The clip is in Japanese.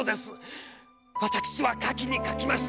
わたくしは描きに描きました。